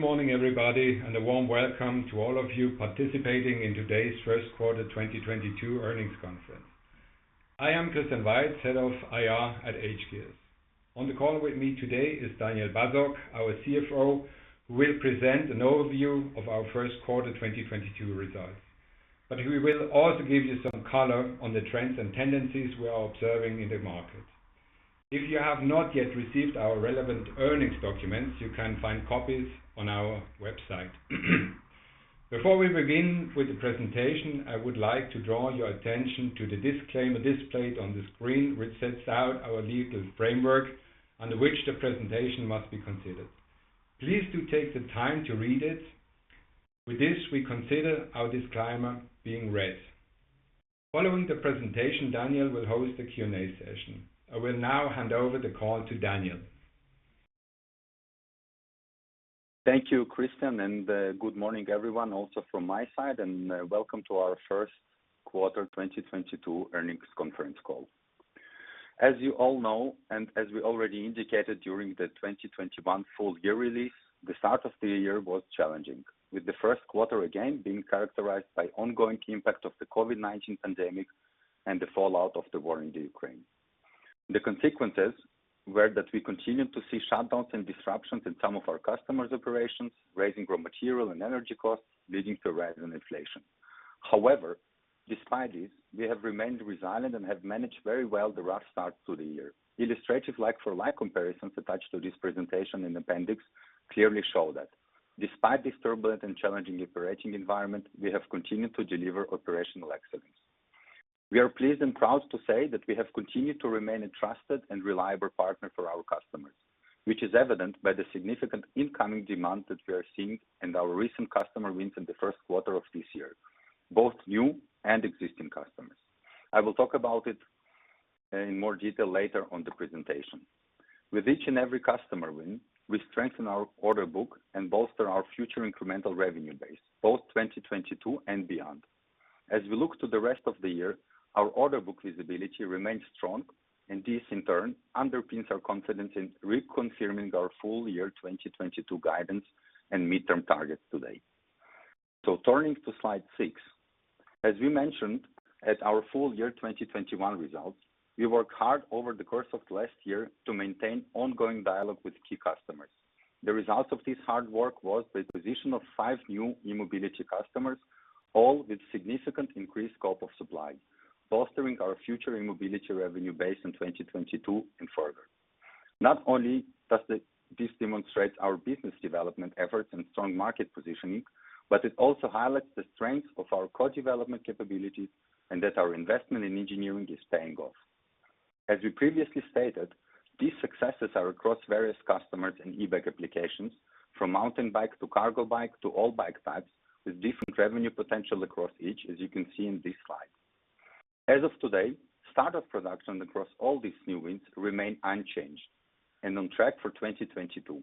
Good morning, everybody, and a warm welcome to all of you participating in today's First Quarter 2022 Earnings Conference. I am Christian Weiz, head of IR at hGears AG. On the call with me today is Daniel Basok, our CFO, who will present an overview of our first quarter 2022 results. We will also give you some color on the trends and tendencies we are observing in the market. If you have not yet received our relevant earnings documents, you can find copies on our website. Before we begin with the presentation, I would like to draw your attention to the disclaimer displayed on the screen, which sets out our legal framework under which the presentation must be considered. Please do take the time to read it. With this, we consider our disclaimer being read. Following the presentation, Daniel will host a Q&A session. I will now hand over the call to Daniel. Thank you, Christian, and, good morning everyone also from my side, and Welcome to Our First Quarter 2022 Earnings Conference Call. As you all know, and as we already indicated during the 2021 full year release, the start of the year was challenging. With the first quarter again being characterized by ongoing impact of the COVID-19 pandemic and the fallout of the war in the Ukraine. The consequences were that we continued to see shutdowns and disruptions in some of our customers' operations, rising raw material and energy costs leading to a rise in inflation. However, despite this, we have remained resilient and have managed very well the rough start to the year. Illustrative like for like comparisons attached to this presentation in appendix clearly show that despite this turbulent and challenging operating environment, we have continued to deliver operational excellence. We are pleased and proud to say that we have continued to remain a trusted and reliable partner for our customers, which is evident by the significant incoming demand that we are seeing and our recent customer wins in the first quarter of this year, both new and existing customers. I will talk about it in more detail later on the presentation. With each and every customer win, we strengthen our order book and bolster our future incremental revenue base, both 2022 and beyond. As we look to the rest of the year, our order book visibility remains strong, and this in turn underpins our confidence in reconfirming our full year 2022 guidance and midterm targets today. Turning to slide 6. As we mentioned at our full year 2021 results, we worked hard over the course of last year to maintain ongoing dialogue with key customers. The result of this hard work was the acquisition of 5 new e-mobility customers, all with significant increased scope of supply, fostering our future e-mobility revenue base in 2022 and further. Not only does this demonstrate our business development efforts and strong market positioning, but it also highlights the strength of our core development capabilities and that our investment in engineering is paying off. As we previously stated, these successes are across various customers in e-bike applications, from mountain bike to cargo bike to all bike types with different revenue potential across each, as you can see in this slide. As of today, start of production across all these new wins remain unchanged and on track for 2022.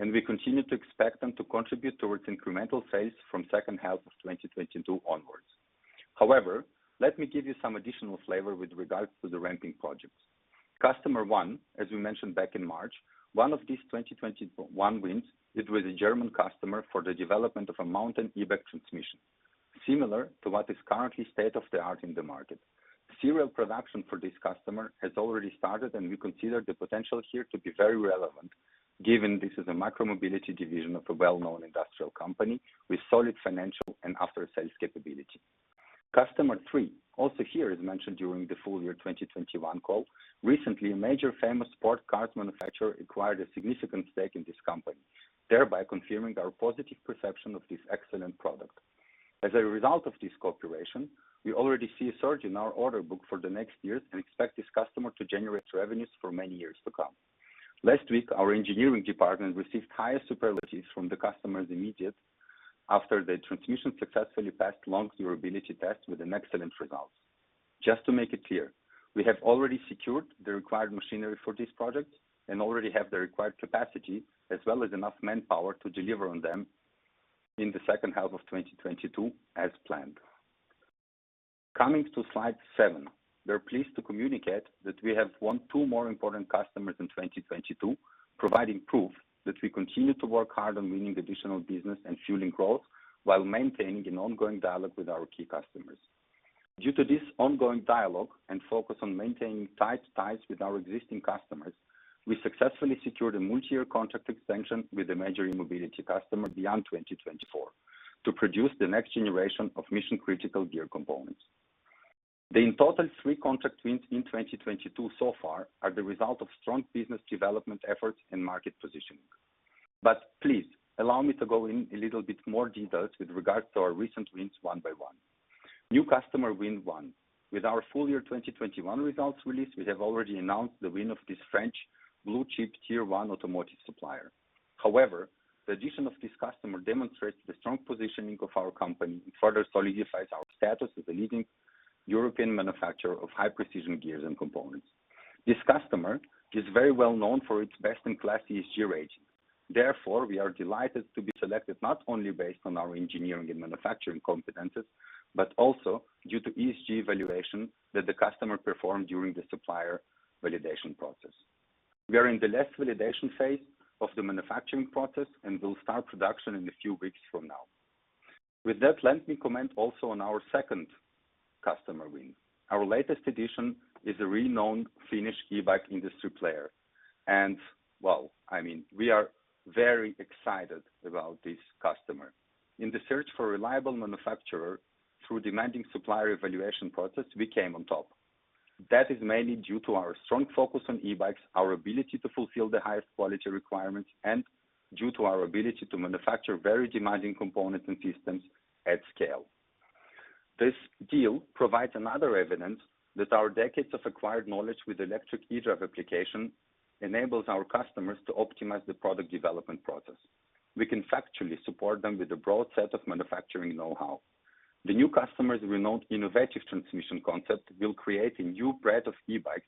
We continue to expect them to contribute towards incremental sales from second half of 2022 onwards. However, let me give you some additional flavor with regards to the ramping projects. Customer one, as we mentioned back in March, one of these 2021 wins, it was a German customer for the development of a mountain e-bike transmission, similar to what is currently state-of-the-art in the market. Serial production for this customer has already started, and we consider the potential here to be very relevant given this is a micromobility division of a well-known industrial company with solid financial and after-sales capability. Customer three, also here as mentioned during the full year 2021 call, recently a major famous sports car manufacturer acquired a significant stake in this company, thereby confirming our positive perception of this excellent product. As a result of this cooperation, we already see a surge in our order book for the next years and expect this customer to generate revenues for many years to come. Last week, our engineering department received highest superlatives from the customer immediately after the transmission successfully passed long durability test with an excellent result. Just to make it clear, we have already secured the required machinery for this project and already have the required capacity as well as enough manpower to deliver on them in the second half of 2022 as planned. Coming to slide 7. We are pleased to communicate that we have won two more important customers in 2022, providing proof that we continue to work hard on winning additional business and fueling growth while maintaining an ongoing dialogue with our key customers. Due to this ongoing dialogue and focus on maintaining tight ties with our existing customers, we successfully secured a multi-year contract extension with a major e-mobility customer beyond 2024 to produce the next generation of mission-critical gear components. In total, three contract wins in 2022 so far are the result of strong business development efforts and market positioning. Please allow me to go in a little bit more details with regards to our recent wins one by one. New customer win one. With our full year 2021 results release, we have already announced the win of this French blue-chip tier-one automotive supplier. However, the addition of this customer demonstrates the strong positioning of our company and further solidifies our status as a leading European manufacturer of high-precision gears and components. This customer is very well known for its best-in-class ESG rating. Therefore, we are delighted to be selected not only based on our engineering and manufacturing competencies, but also due to ESG evaluation that the customer performed during the supplier validation process. We are in the last validation phase of the manufacturing process, and we'll start production in a few weeks from now. With that, let me comment also on our second customer win. Our latest addition is a renowned Finnish e-bike industry player, and well, I mean, we are very excited about this customer. In the search for a reliable manufacturer through demanding supplier evaluation process, we came on top. That is mainly due to our strong focus on e-bikes, our ability to fulfill the highest quality requirements, and due to our ability to manufacture very demanding components and systems at scale. This deal provides another evidence that our decades of acquired knowledge with electric e-drive application enables our customers to optimize the product development process. We can factually support them with a broad set of manufacturing know-how. The new customer's renowned innovative transmission concept will create a new breed of e-bikes,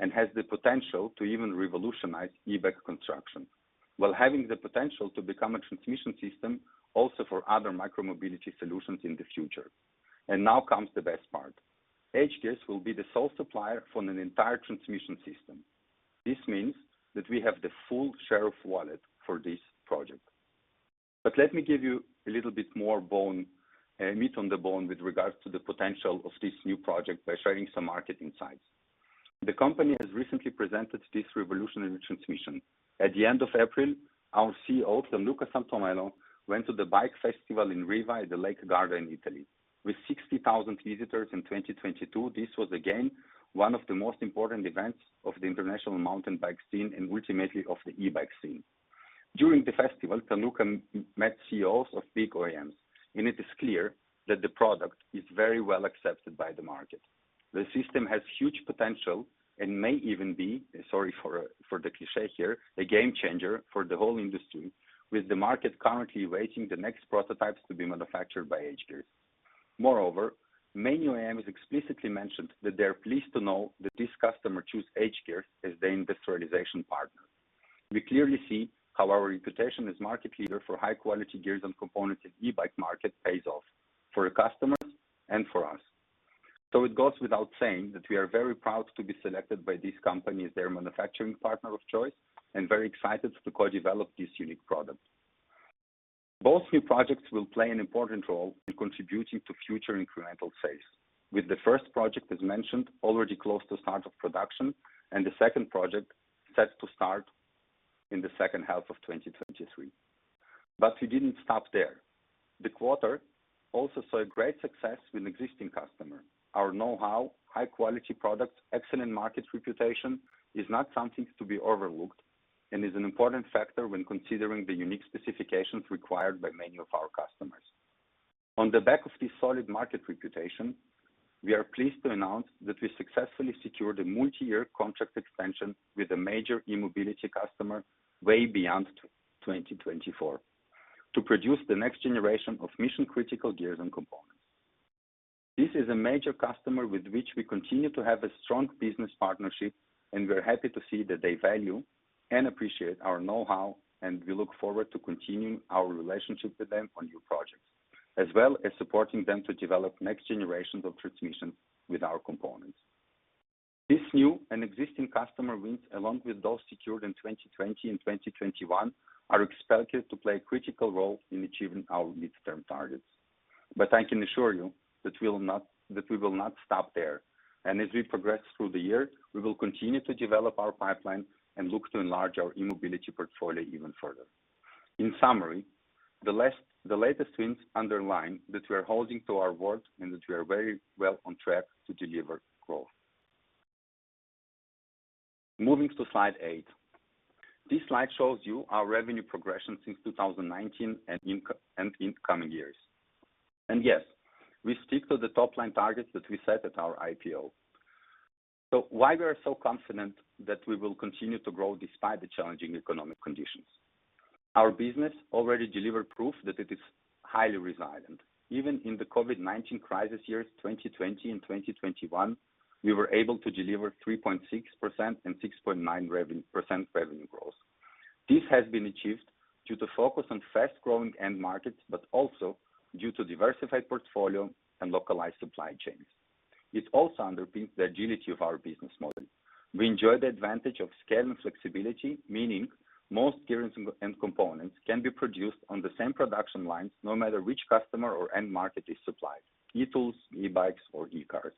and has the potential to even revolutionize e-bike construction, while having the potential to become a transmission system also for other micro mobility solutions in the future. Now comes the best part. hGears will be the sole supplier for an entire transmission system. This means that we have the full share of wallet for this project. Let me give you a little bit more bone, meat on the bone with regards to the potential of this new project by sharing some market insights. The company has recently presented this revolutionary transmission. At the end of April, our CEO, Pierluca Sartorello, went to the bike festival in Riva, the Lake Garda in Italy. With 60,000 visitors in 2022, this was again, one of the most important events of the international mountain bike scene and ultimately of the e-bike scene. During the festival, Pierluca met CEOs of big OEMs, and it is clear that the product is very well accepted by the market. The system has huge potential and may even be, sorry for the cliché here, a game changer for the whole industry, with the market currently awaiting the next prototypes to be manufactured by hGears. Moreover, many OEMs explicitly mentioned that they are pleased to know that this customer chose hGears as their industrialization partner. We clearly see how our reputation as market leader for high quality gears and components in the e-bike market pays off for our customers and for us. It goes without saying that we are very proud to be selected by this company as their manufacturing partner of choice, and very excited to co-develop this unique product. Both new projects will play an important role in contributing to future incremental sales, with the first project, as mentioned, already close to start of production, and the second project set to start in the second half of 2023. We didn't stop there. The quarter also saw a great success with existing customer. Our know-how, high quality products, excellent market reputation is not something to be overlooked and is an important factor when considering the unique specifications required by many of our customers. On the back of this solid market reputation, we are pleased to announce that we successfully secured a multi-year contract expansion with a major e-mobility customer way beyond 2024 to produce the next generation of mission-critical gears and components. This is a major customer with which we continue to have a strong business partnership, and we're happy to see that they value and appreciate our know-how, and we look forward to continuing our relationship with them on new projects, as well as supporting them to develop next generations of transmissions with our components. This new and existing customer wins, along with those secured in 2020 and 2021, are expected to play a critical role in achieving our midterm targets. I can assure you that we will not stop there. As we progress through the year, we will continue to develop our pipeline and look to enlarge our e-mobility portfolio even further. In summary, the latest wins underline that we are holding to our word and that we are very well on track to deliver growth. Moving to slide eight. This slide shows you our revenue progression since 2019 and in coming years. Yes, we stick to the top line targets that we set at our IPO. Why we are so confident that we will continue to grow despite the challenging economic conditions? Our business already delivered proof that it is highly resilient. Even in the COVID-19 crisis years, 2020 and 2021, we were able to deliver 3.6% and 6.9% revenue growth. This has been achieved due to focus on fast-growing end markets, but also due to diversified portfolio and localized supply chains. It also underpins the agility of our business model. We enjoy the advantage of scale and flexibility, meaning most gears and components can be produced on the same production lines no matter which customer or end market is supplied, e-Tools, e-bikes or e-cars.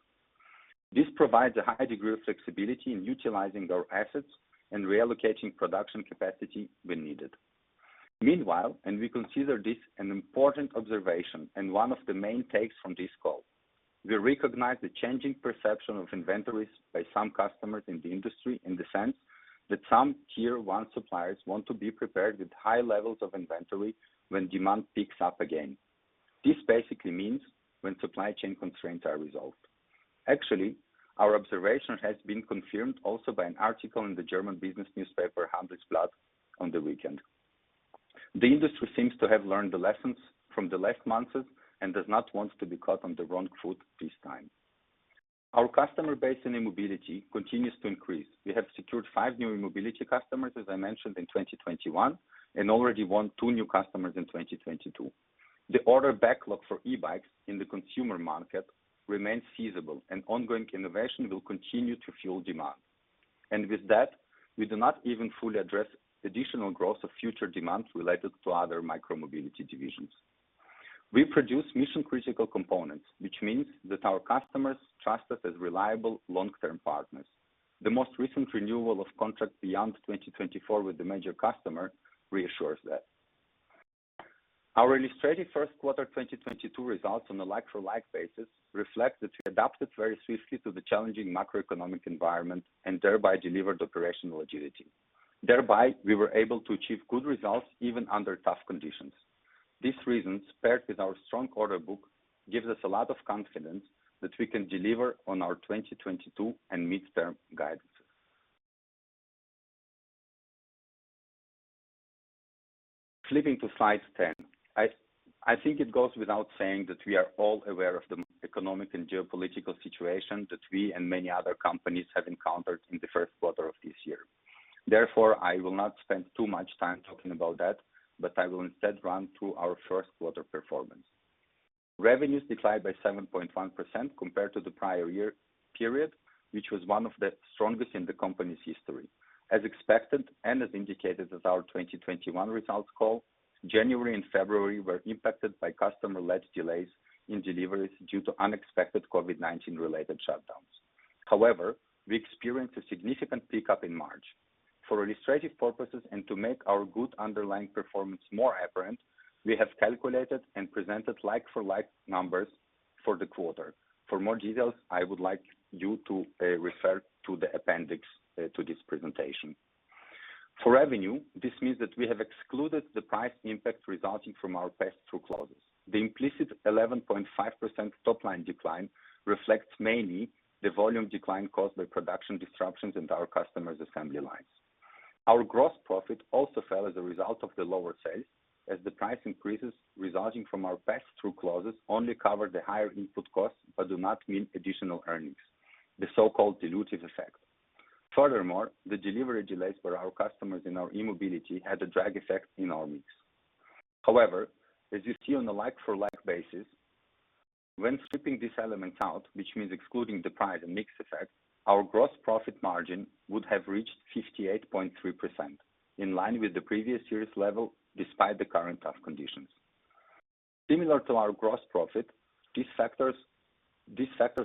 This provides a high degree of flexibility in utilizing our assets and reallocating production capacity when needed. Meanwhile, we consider this an important observation and one of the main takes from this call, we recognize the changing perception of inventories by some customers in the industry in the sense that some tier one suppliers want to be prepared with high levels of inventory when demand picks up again. This basically means when supply chain constraints are resolved. Actually, our observation has been confirmed also by an article in the German business newspaper, Handelsblatt, on the weekend. The industry seems to have learned the lessons from the last months and does not want to be caught on the wrong foot this time. Our customer base in e-mobility continues to increase. We have secured five new e-mobility customers, as I mentioned, in 2021, and already won two new customers in 2022. The order backlog for e-bikes in the consumer market remains feasible and ongoing innovation will continue to fuel demand. With that, we do not even fully address additional growth of future demand related to other micro-mobility divisions. We produce mission-critical components, which means that our customers trust us as reliable long-term partners. The most recent renewal of contracts beyond 2024 with a major customer reassures that. Our illustrated first quarter 2022 results on a like-for-like basis reflect that we adapted very swiftly to the challenging macroeconomic environment and thereby delivered operational agility. Thereby, we were able to achieve good results even under tough conditions. These reasons, paired with our strong order book, gives us a lot of confidence that we can deliver on our 2022 and midterm guidances. Flipping to slide 10. I think it goes without saying that we are all aware of the economic and geopolitical situation that we and many other companies have encountered in the first quarter of this year. Therefore, I will not spend too much time talking about that, but I will instead run through our first quarter performance. Revenues declined by 7.1% compared to the prior year period, which was one of the strongest in the company's history. As expected and as indicated as our 2021 results call, January and February were impacted by customer-led delays in deliveries due to unexpected COVID-19 related shutdowns. However, we experienced a significant pickup in March. For illustrative purposes and to make our good underlying performance more apparent, we have calculated and presented like-for-like numbers for the quarter. For more details, I would like you to refer to the appendix to this presentation. For revenue, this means that we have excluded the price impact resulting from our pass-through clauses. The implicit 11.5% top line decline reflects mainly the volume decline caused by production disruptions in our customers' assembly lines. Our gross profit also fell as a result of the lower sales as the price increases resulting from our pass-through clauses only cover the higher input costs but do not mean additional earnings, the so-called dilutive effect. Furthermore, the delivery delays for our customers in our e-mobility had a drag effect in our mix. However, as you see on a like-for-like basis, when stripping these elements out, which means excluding the price and mix effect, our gross profit margin would have reached 58.3% in line with the previous year's level despite the current tough conditions. Similar to our gross profit, these factors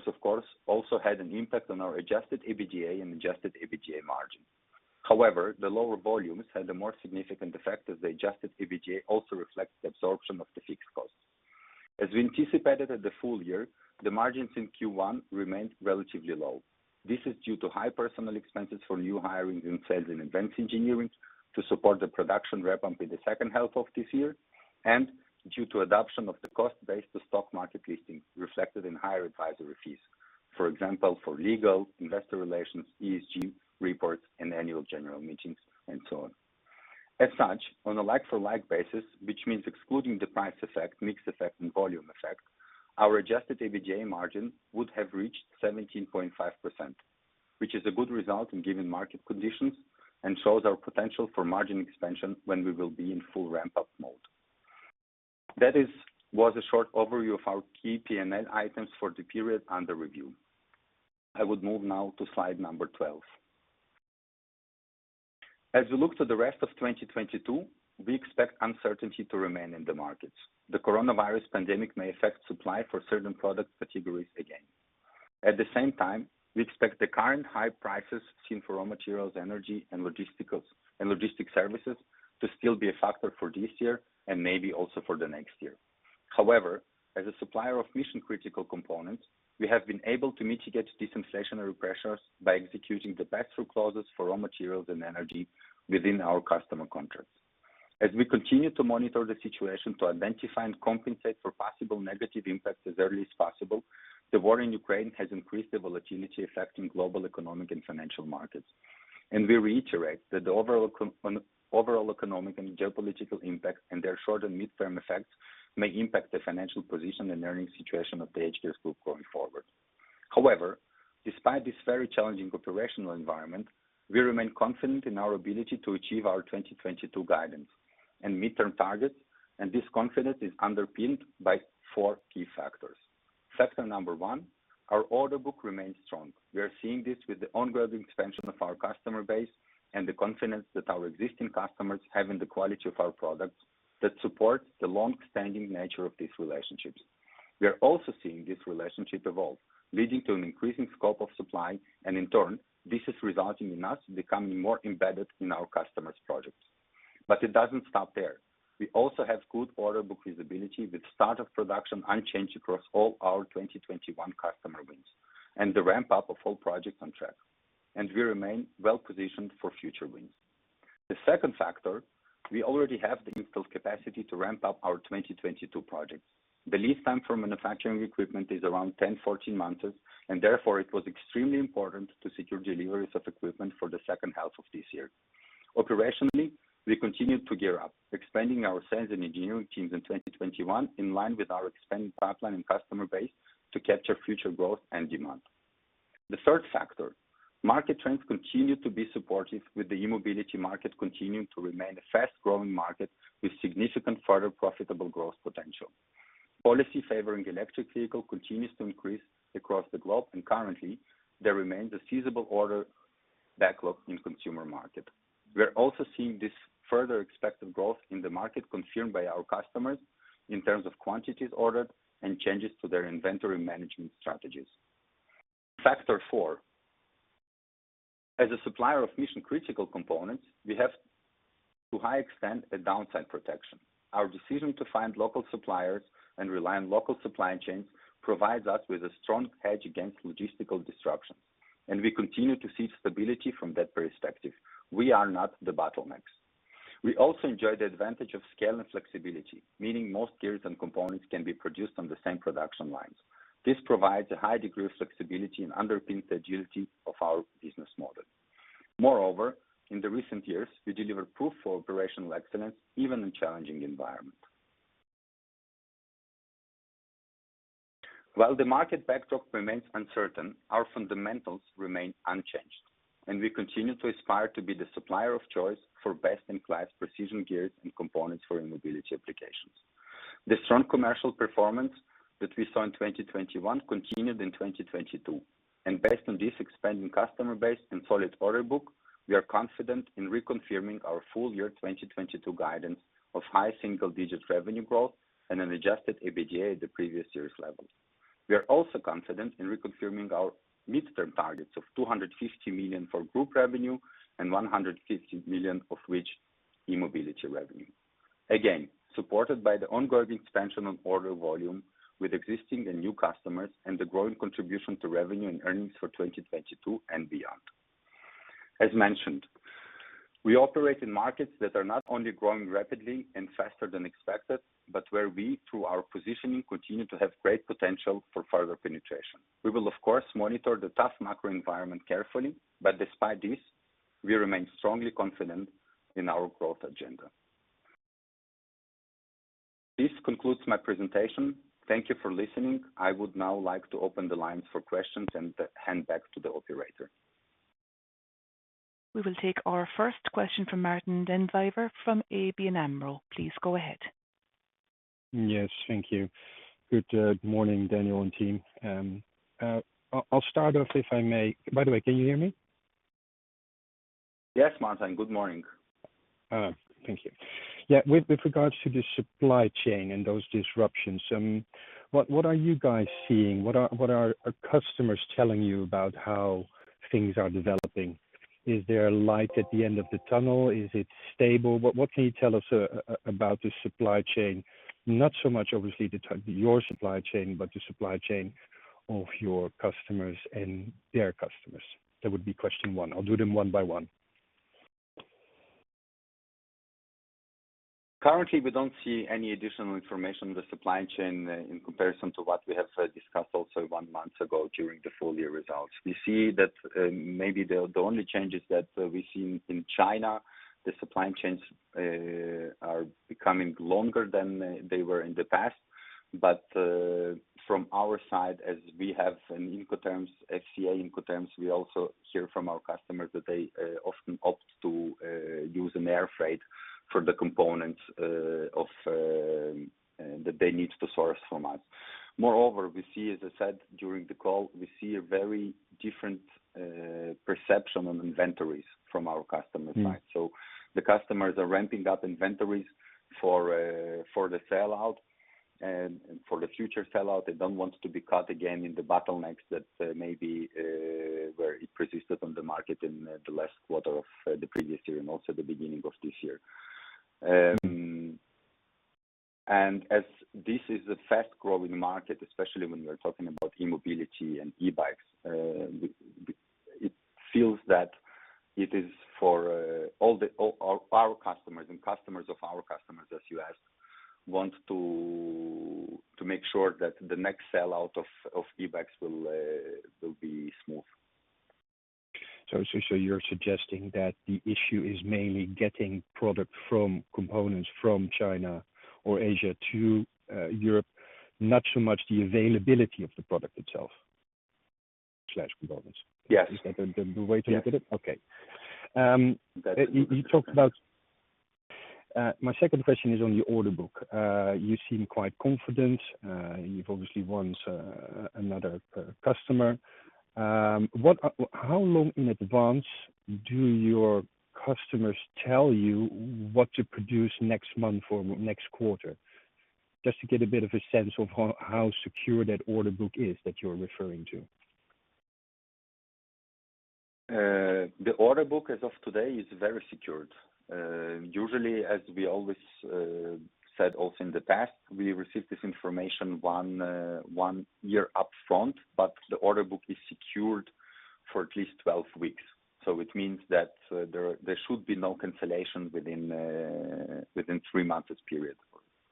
of course also had an impact on our adjusted EBITDA and adjusted EBITDA margin. However, the lower volumes had a more significant effect as the adjusted EBITDA also reflects the absorption of the fixed costs. As we anticipated at the full year, the margins in Q1 remained relatively low. This is due to high personnel expenses for new hiring in sales and advanced engineering to support the production ramp up in the second half of this year, and due to adoption of the cost base to stock market listing reflected in higher advisory fees. For example, for legal, investor relations, ESG reports, and annual general meetings, and so on. As such, on a like-for-like basis, which means excluding the price effect, mix effect, and volume effect, our adjusted EBITDA margin would have reached 17.5%, which is a good result in given market conditions and shows our potential for margin expansion when we will be in full ramp-up mode. That was a short overview of our key PNL items for the period under review. I would move now to slide number 12. As we look to the rest of 2022, we expect uncertainty to remain in the markets. The coronavirus pandemic may affect supply for certain product categories again. At the same time, we expect the current high prices seen for raw materials, energy, and logistics services to still be a factor for this year and maybe also for the next year. However, as a supplier of mission-critical components, we have been able to mitigate inflationary pressures by executing the pass-through clauses for raw materials and energy within our customer contracts. As we continue to monitor the situation to identify and compensate for possible negative impacts as early as possible. The war in Ukraine has increased the volatility affecting global economic and financial markets. We reiterate that the overall economic and geopolitical impact and their short- and midterm effects may impact the financial position and earning situation of the hGears Group going forward. However, despite this very challenging operational environment, we remain confident in our ability to achieve our 2022 guidance and midterm targets, and this confidence is underpinned by four key factors. Factor number one, our order book remains strong. We are seeing this with the ongoing expansion of our customer base and the confidence that our existing customers have in the quality of our products that support the long-standing nature of these relationships. We are also seeing this relationship evolve, leading to an increasing scope of supply. In turn, this is resulting in us becoming more embedded in our customers' projects. It doesn't stop there. We also have good order book visibility with start of production unchanged across all our 2021 customer wins and the ramp-up of all projects on track. We remain well-positioned for future wins. The second factor, we already have the installed capacity to ramp up our 2022 projects. The lead time for manufacturing equipment is around 10-14 months, and therefore, it was extremely important to secure deliveries of equipment for the second half of this year. Operationally, we continued to gear up, expanding our sales and engineering teams in 2021 in line with our expanding pipeline and customer base to capture future growth and demand. The third factor, market trends continue to be supportive with the e-mobility market continuing to remain a fast-growing market with significant further profitable growth potential. Policy favoring electric vehicle continues to increase across the globe, and currently there remains a sizable order backlog in consumer market. We are also seeing this further expected growth in the market confirmed by our customers in terms of quantities ordered and changes to their inventory management strategies. Factor four, as a supplier of mission-critical components, we have to a high extent a downside protection. Our decision to find local suppliers and rely on local supply chains provides us with a strong hedge against logistical disruptions, and we continue to see stability from that perspective. We are not the bottlenecks. We also enjoy the advantage of scale and flexibility, meaning most gears and components can be produced on the same production lines. This provides a high degree of flexibility and underpins the agility of our business model. Moreover, in recent years, we delivered proof for operational excellence even in challenging environment. While the market backdrop remains uncertain, our fundamentals remain unchanged, and we continue to aspire to be the supplier of choice for best-in-class precision gears and components for e-mobility applications. The strong commercial performance that we saw in 2021 continued in 2022, and based on this expanding customer base and solid order book, we are confident in reconfirming our full year 2022 guidance of high single-digit revenue growth and an adjusted EBITDA at the previous year's levels. We are also confident in reconfirming our midterm targets of 250 million for group revenue and 150 million of which e-mobility revenue. Again, supported by the ongoing expansion in order volume with existing and new customers and the growing contribution to revenue and earnings for 2022 and beyond. As mentioned, we operate in markets that are not only growing rapidly and faster than expected, but where we, through our positioning, continue to have great potential for further penetration. We will of course monitor the tough macro environment carefully, but despite this, we remain strongly confident in our growth agenda. This concludes my presentation. Thank you for listening. I would now like to open the lines for questions and hand back to the operator. We will take our first question from Martijn den Drijver from ABN AMRO. Please go ahead. Yes, thank you. Good morning, Daniel and team. I'll start off, if I may. By the way, can you hear me? Yes, Martijn, good morning. Thank you. Yeah. With regards to the supply chain and those disruptions, what are you guys seeing? What are our customers telling you about how things are developing? Is there a light at the end of the tunnel? Is it stable? What can you tell us about the supply chain? Not so much, obviously, your supply chain, but the supply chain of your customers and their customers. That would be question one. I'll do them one by one. Currently, we don't see any additional information on the supply chain in comparison to what we have discussed also one month ago during the full year results. We see that maybe the only changes that we see in China, the supply chains are becoming longer than they were in the past. From our side, as we have an Incoterms, FCA Incoterms, we also hear from our customers that they often opt to use an air freight for the components of that they need to source from us. Moreover, we see, as I said, during the call, we see a very different perception on inventories from our customers' side. Customers are ramping up inventories for the sell-out and for the future sell-out. They don't want to be caught again in the bottlenecks that maybe where it persisted on the market in the last quarter of the previous year and also the beginning of this year. As this is a fast-growing market, especially when we are talking about e-mobility and e-bikes, it feels that it is for all our customers and customers of our customers, as you asked, want to make sure that the next sell-out of e-bikes will be smooth. You're suggesting that the issue is mainly getting product from components from China or Asia to Europe, not so much the availability of the product itself/components? Yes. Is that the way to look at it? Yes. My second question is on your order book. You seem quite confident. You've obviously won another customer. How long in advance do your customers tell you what to produce next month or next quarter? Just to get a bit of a sense of how secure that order book is that you're referring to. The order book as of today is very secured. Usually, as we always said also in the past, we receive this information one year up front, but the order book is secured for at least 12 weeks. It means that, there should be no cancellation within 3 months period,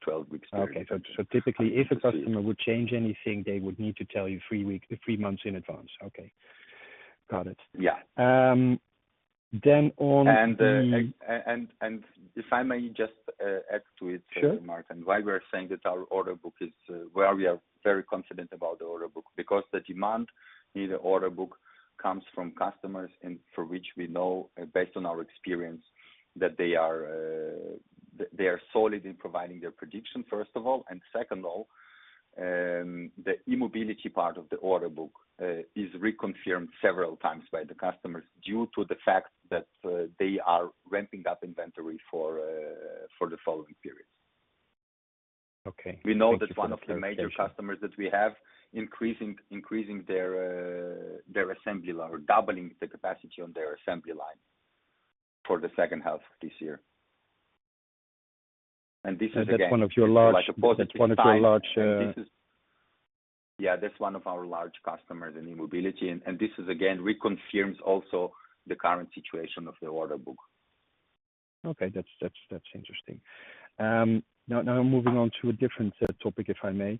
12 weeks period. Okay. Typically, if a customer would change anything, they would need to tell you three months in advance. Okay. Got it. If I may just add to it. Sure Mart, why we are saying that our order book is why we are very confident about the order book, because the demand in the order book comes from customers, for which we know based on our experience that they are solid in providing their prediction, first of all. Second of all, the e-mobility part of the order book is reconfirmed several times by the customers due to the fact that they are ramping up inventory for the following periods. Okay. We know that one of the major customers that we have increasing their assembly line or doubling the capacity on their assembly line for the second half this year. This is, again- That's one of your large. Like a positive sign. That's one of your large. Yeah, that's one of our large customers in e-mobility. This is again reconfirms also the current situation of the order book. Okay. That's interesting. Now moving on to a different topic, if I may.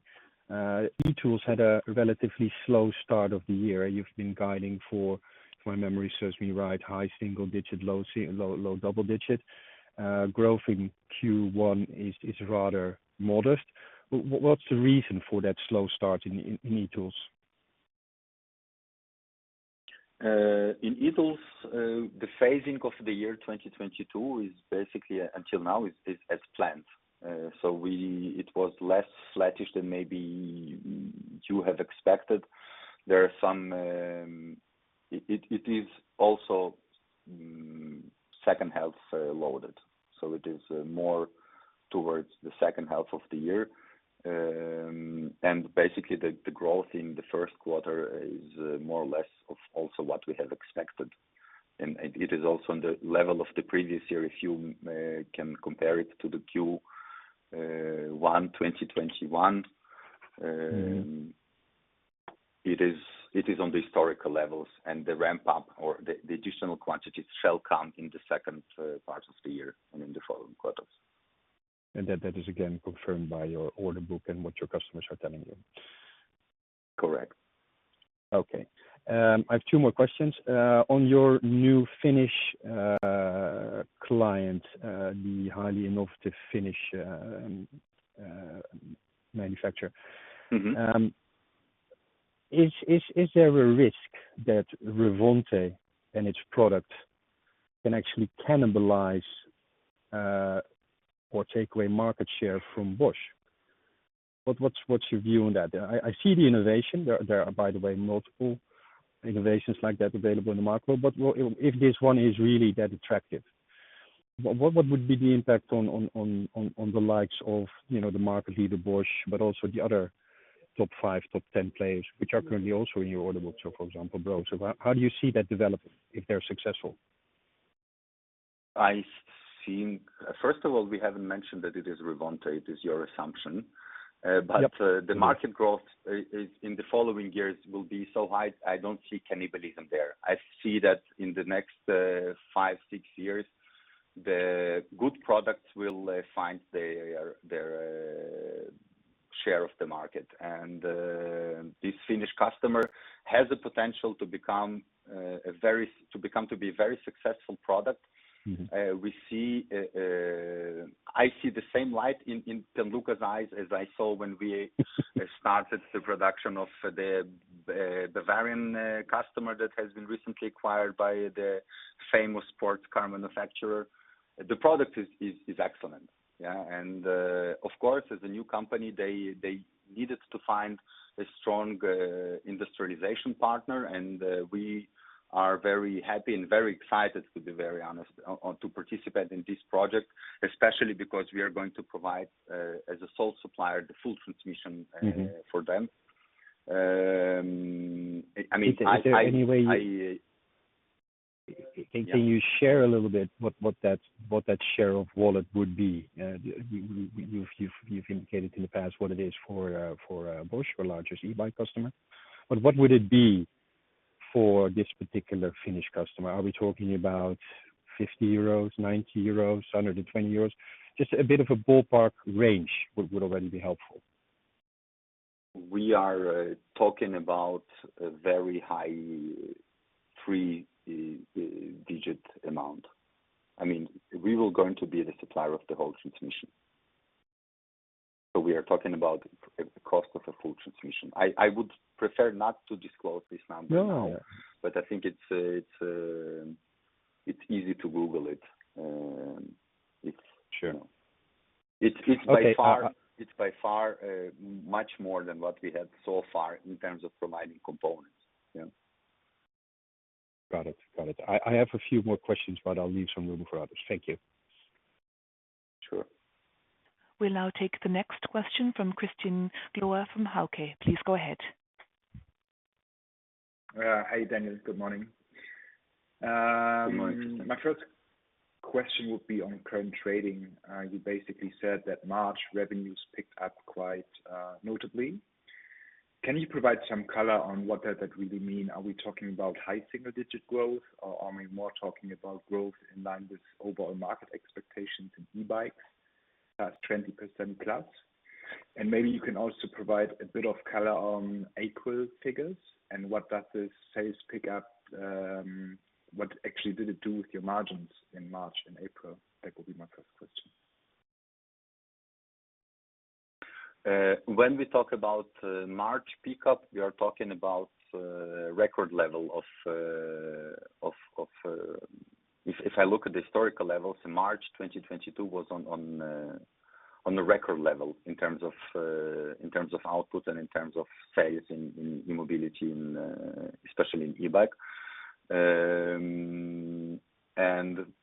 e-Tools had a relatively slow start of the year. You've been guiding for, if my memory serves me right, high single digit, low double digit. Growth in Q1 is rather modest. What's the reason for that slow start in e-Tools? In e-Tools, the phasing of the year 2022 is basically until now as planned. It was less flattish than maybe you have expected. There are some. It is also second half loaded, so it is more towards the second half of the year. Basically the growth in the first quarter is more or less also what we have expected. It is also on the level of the previous year. If you can compare it to the Q1 2021, it is on the historical levels and the ramp up or the additional quantities shall come in the second part of the year and in the following quarters. That is again confirmed by your order book and what your customers are telling you? Correct. Okay. I have two more questions. On your new Finnish client, the highly innovative Finnish manufacturer. Is there a risk that Revonte and its product can actually cannibalize or take away market share from Bosch? What's your view on that? I see the innovation. There are, by the way, multiple innovations like that available in the market. But if this one is really that attractive, what would be the impact on the likes of, you know, the market leader, Bosch, but also the other top five, top ten players which are currently also in your order book. So, for example, Brose. How do you see that developing if they're successful? I think, first of all, we haven't mentioned that it is Revonte. It is your assumption. The market growth is in the following years will be so high. I don't see cannibalism there. I see that in the next 5, 6 years, the good products will find their share of the market. This Finnish customer has the potential to become a very successful product I see the same light in Luka's eyes as I saw when we started the production of the Valeo customer that has been recently acquired by the famous sports car manufacturer. The product is excellent. Yeah. Of course, as a new company, they needed to find a strong industrialization partner. We are very happy and very excited, to be very honest, to participate in this project, especially because we are going to provide, as a sole supplier, the full transmission for them. I mean, Is there any way? Can you share a little bit what that share of wallet would be? You've indicated in the past what it is for Bosch, your largest e-bike customer. What would it be for this particular Finnish customer? Are we talking about 50 euros, 90 euros, 120 euros? Just a bit of a ballpark range would already be helpful. We are talking about a very high three-digit amount. I mean, we were going to be the supplier of the whole transmission. We are talking about the cost of a full transmission. I would prefer not to disclose this number now. No. I think it's easy to Google it. Sure. It's by far. Okay. It's by far, much more than what we have so far in terms of providing components. Yeah. Got it. I have a few more questions, but I'll leave some room for others. Thank you. Sure. We'll now take the next question from Christian Glowa from Hauck. Please go ahead. Hi, Daniel. Good morning. Good morning. My first question would be on current trading. You basically said that March revenues picked up quite notably. Can you provide some color on what does that really mean? Are we talking about high single digit growth or are we more talking about growth in line with overall market expectations in e-bikes, 20%+? Maybe you can also provide a bit of color on April figures and what that does sales pick up, what actually did it do with your margins in March and April? That would be my first question. When we talk about March pickup, if I look at the historical levels, March 2022 was on the record level in terms of output and in terms of sales in e-mobility and especially in e-bike.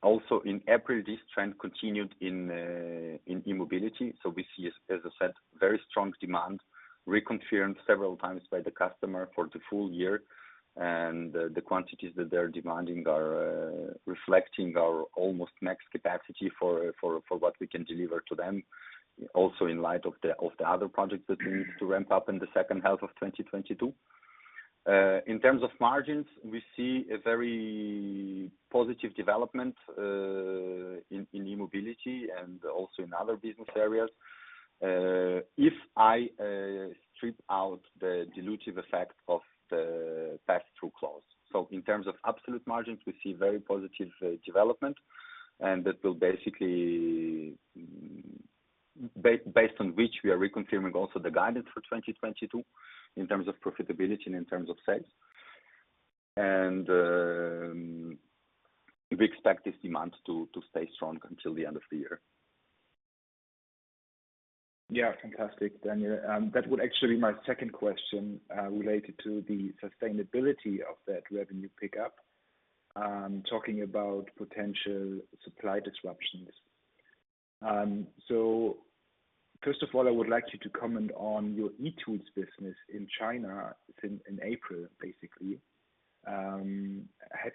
Also in April, this trend continued in e-mobility. We see, as I said, very strong demand reconfirmed several times by the customer for the full year. The quantities that they're demanding are reflecting our almost max capacity for what we can deliver to them, also in light of the other projects that we need to ramp up in the second half of 2022. In terms of margins, we see a very positive development in e-mobility and also in other business areas. If I strip out the dilutive effect of the pass-through clause. In terms of absolute margins, we see very positive development, and that will basically based on which we are reconfirming also the guidance for 2022 in terms of profitability and in terms of sales. We expect this demand to stay strong until the end of the year. Yeah. Fantastic, Daniel. That would actually my second question, related to the sustainability of that revenue pickup, talking about potential supply disruptions. First of all, I would like you to comment on your e-Tools business in China in April, basically. Have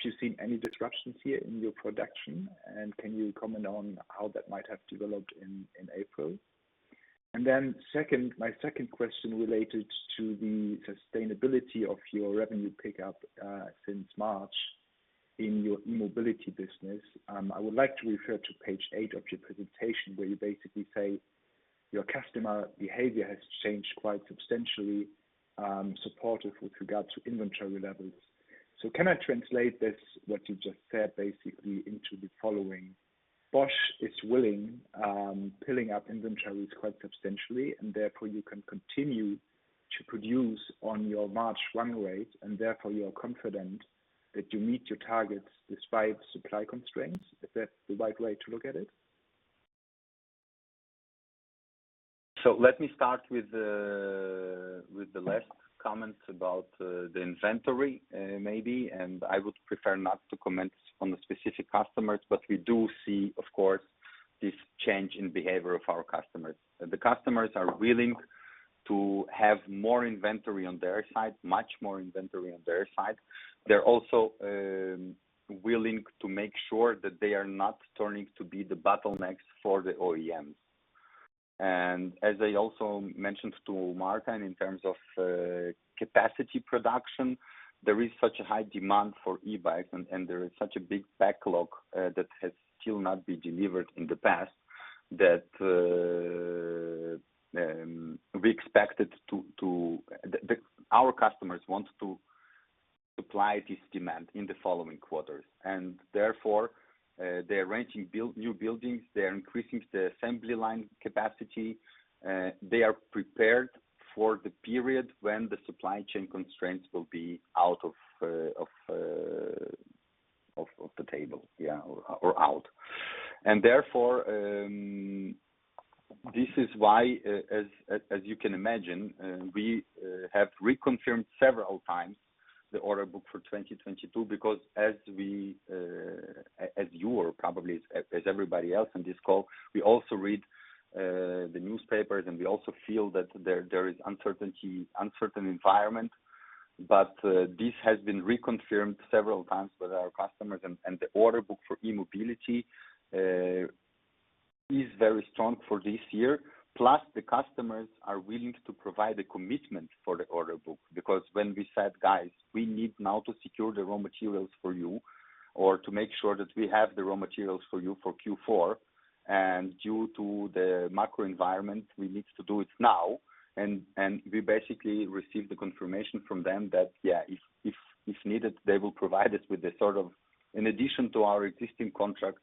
you seen any disruptions here in your production? Can you comment on how that might have developed in April? Second, my second question related to the sustainability of your revenue pickup, since March in your e-mobility business. I would like to refer to page eight of your presentation, where you basically say your customer behavior has changed quite substantially, supportive with regard to inventory levels. Can I translate this, what you just said, basically into the following: Bosch is willing, piling up inventories quite substantially, and therefore you can continue to produce on your March run rate, and therefore you are confident that you meet your targets despite supply constraints? Is that the right way to look at it? Let me start with the last comments about the inventory, maybe, and I would prefer not to comment on the specific customers, but we do see, of course, this change in behavior of our customers. The customers are willing to have more inventory on their side, much more inventory on their side. They're also willing to make sure that they are not turning to be the bottlenecks for the OEMs. As I also mentioned to Martijn, in terms of capacity production, there is such a high demand for e-bikes, and there is such a big backlog that has still not been delivered in the past, that our customers want to supply this demand in the following quarters, and therefore, they're renting, building new buildings. They're increasing the assembly line capacity. They are prepared for the period when the supply chain constraints will be out of the table, yeah, or out. Therefore, this is why, as you can imagine, we have reconfirmed several times the order book for 2022, because as you are probably, as everybody else in this call, we also read the newspapers, and we also feel that there is uncertainty, uncertain environment. This has been reconfirmed several times with our customers, and the order book for e-mobility is very strong for this year. Plus, the customers are willing to provide a commitment for the order book, because when we said, "Guys, we need now to secure the raw materials for you or to make sure that we have the raw materials for you for Q4, and due to the macro environment, we need to do it now." We basically received the confirmation from them that, yeah, if needed, they will provide us with a sort of in addition to our existing contract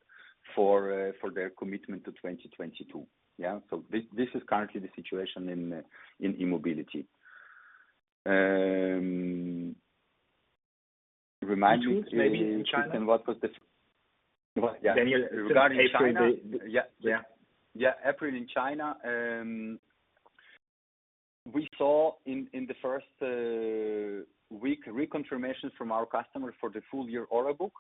for their commitment to 2022. Yeah, this is currently the situation in e-mobility. Tools maybe in China. What? Yeah. Daniel, regarding China. April. Yeah. Yeah. April in China, we saw in the first week reconfirmation from our customer for the full year order book,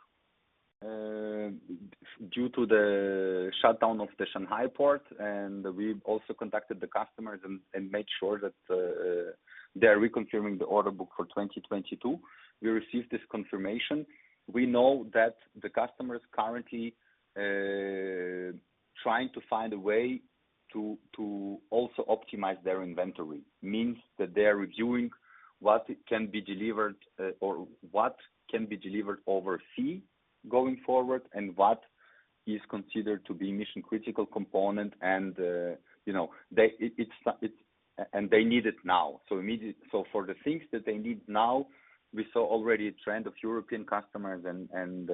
due to the shutdown of the Shanghai port. We also contacted the customers and made sure that they are reconfirming the order book for 2022. We received this confirmation. We know that the customer is currently trying to find a way to also optimize their inventory. Means that they are reviewing what can be delivered or what can be delivered oversea going forward and what is considered to be mission-critical component and, you know, and they need it now. Immediate. For the things that they need now, we saw already a trend of European customers and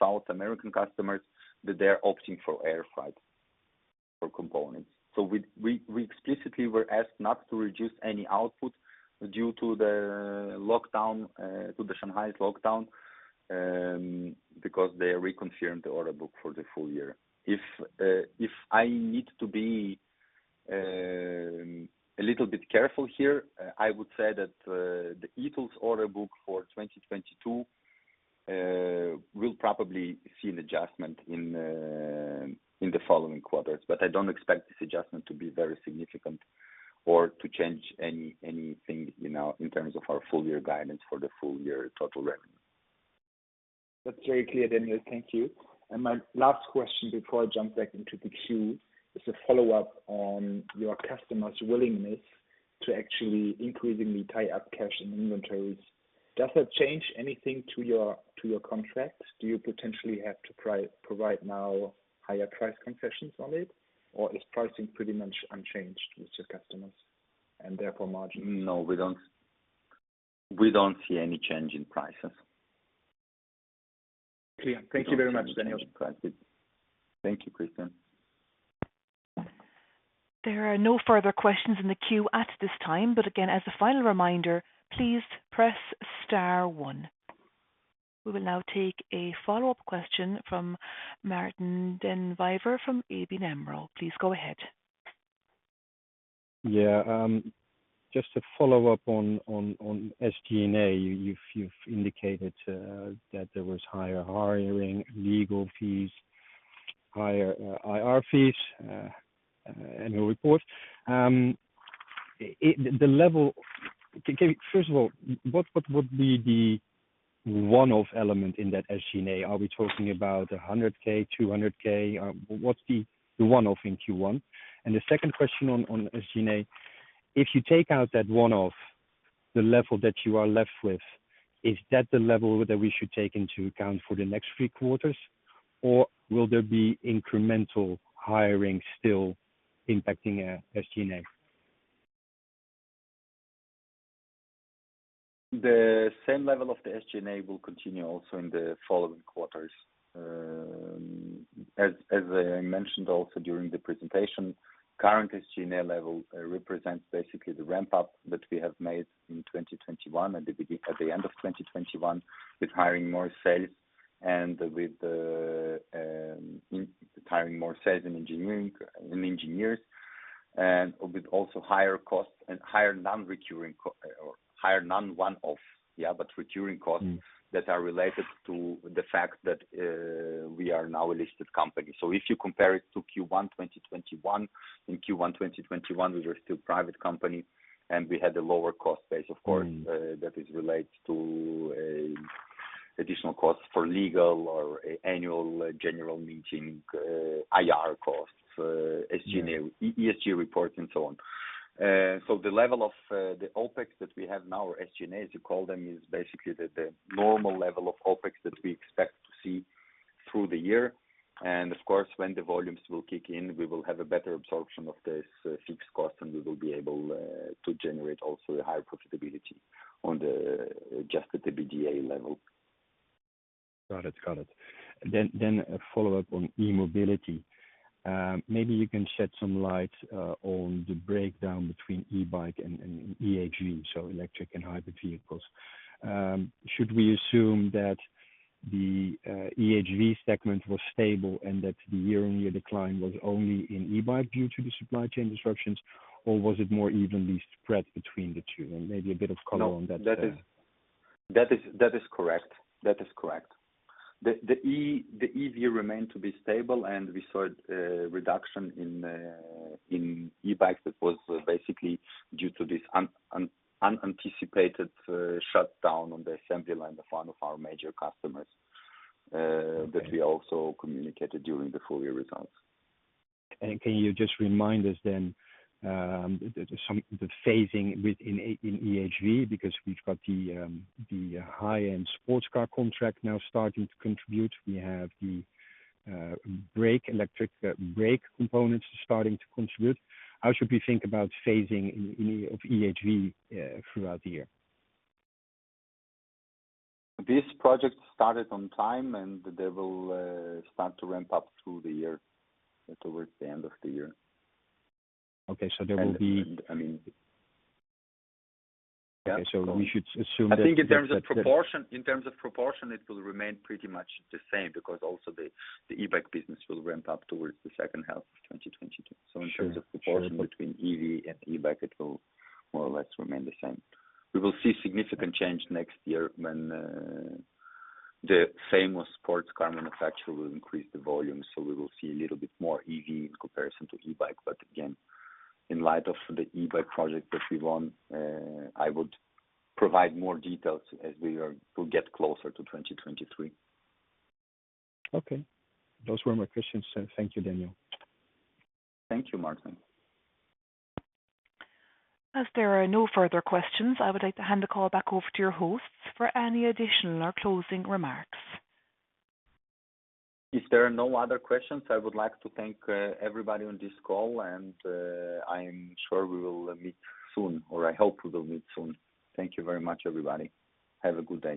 South American customers that they're opting for air freight for components. We explicitly were asked not to reduce any output due to the lockdown to Shanghai's lockdown because they reconfirmed the order book for the full year. If I need to be a little bit careful here, I would say that the e-Tools order book for 2022 will probably see an adjustment in the following quarters. I don't expect this adjustment to be very significant or to change anything, you know, in terms of our full year guidance for the full year total revenue. That's very clear, Daniel. Thank you. My last question before I jump back into the queue is a follow-up on your customers' willingness to actually increasingly tie up cash in inventories. Does that change anything to your contract? Do you potentially have to provide now higher price concessions on it, or is pricing pretty much unchanged with your customers, and therefore margin? No, we don't see any change in prices. Clear. Thank you very much, Daniel. Thank you, Christian. There are no further questions in the queue at this time, but again, as a final reminder, please press star one. We will now take a follow-up question from Martijn den Drijver from ABN AMRO. Please go ahead. Yeah. Just to follow up on SG&A. You've indicated that there was higher hiring, legal fees, higher IR fees, annual report. First of all, what would be the one-off element in that SG&A? Are we talking about 100,000, 200,000? What's the one-off in Q1? And the second question on SG&A, if you take out that one-off, the level that you are left with, is that the level that we should take into account for the next three quarters? Or will there be incremental hiring still impacting SG&A? The same level of the SG&A will continue also in the following quarters. I mentioned also during the presentation, current SG&A level represents basically the ramp-up that we have made in 2021, at the end of 2021, with hiring more sales and engineering, and engineers, and with also higher costs and higher non-recurring or higher non-one-off, yeah, but recurring costs that are related to the fact that, we are now a listed company. If you compare it to Q1 2021, in Q1 2021, we were still a private company, and we had a lower cost base, of course that is related to additional costs for legal or annual general meeting, IR costs, SG&A ESG reports, and so on. The level of the OPEX that we have now, or SG&As you call them, is basically the normal level of OPEX that we expect to see through the year. Of course, when the volumes will kick in, we will have a better absorption of this fixed cost, and we will be able to generate also a higher profitability on the adjusted EBITDA level. Got it. A follow-up on e-mobility. Maybe you can shed some light on the breakdown between e-bike and EHV, so electric and hybrid vehicles. Should we assume that the EHV segment was stable and that the year-on-year decline was only in e-bike due to the supply chain disruptions, or was it more evenly spread between the two? Maybe a bit of color on that. No. That is correct. The EV remained to be stable, and we saw a reduction in e-bikes that was basically due to this unanticipated shutdown on the assembly line of one of our major customers. Okay. that we also communicated during the full year results. Can you just remind us then, the phasing within EHV, because we've got the high-end sports car contract now starting to contribute. We have the electric brake components starting to contribute. How should we think about phasing in of EHV throughout the year? This project started on time, and they will start to ramp up through the year, towards the end of the year. Okay. There will be. I mean. Yeah. Okay. We should assume that. I think in terms of proportion, it will remain pretty much the same because also the e-bike business will ramp up towards the second half of 2022. Sure, sure. In terms of proportion between EV and e-bike, it will more or less remain the same. We will see significant change next year when the famous sports car manufacturer will increase the volume, so we will see a little bit more EV in comparison to e-bike. Again, in light of the e-bike project that we won, I would provide more details as we get closer to 2023. Okay. Those were my questions. Thank you, Daniel. Thank you, Martijn. As there are no further questions, I would like to hand the call back over to your hosts for any additional or closing remarks. If there are no other questions, I would like to thank everybody on this call, and I'm sure we will meet soon, or I hope we will meet soon. Thank you very much, everybody. Have a good day.